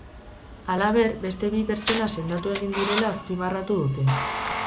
Halaber, beste bi pertsona sendatu egin direla azpimarratu dute.